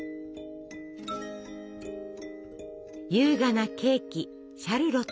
優雅なケーキシャルロット。